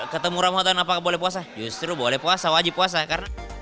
ketemu ramah ramah apakah boleh puasa justru boleh puasa wajib puasa